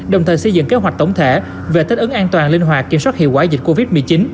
đồng thời xây dựng kế hoạch tổng thể về thích ứng an toàn linh hoạt kiểm soát hiệu quả dịch covid một mươi chín